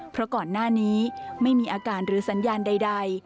เพราะก่อนหน้านี้ไม่มีอาการหรือสัญญาณใด